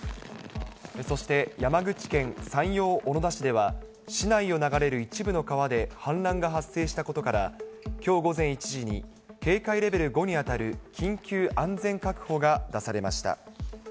そして、山口県山陽小野田市では、市内を流れる一部の川で氾濫が発生したことから、きょう午前１時に、警戒レベル５に当たる緊急安全確保が出されました。